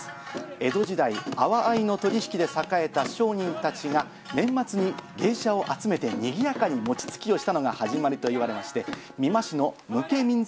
江戸時代、阿波藍の取り引きで栄えた商人たちが、年末に芸者を集めてにぎやかに餅つきをしたのが始まりといわれまして、美馬市の無形民俗